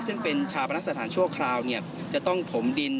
ซึ่งเป็นชาปนสถานชั่วคราวจะต้องถมดิน